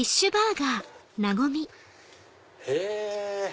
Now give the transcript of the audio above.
へぇ。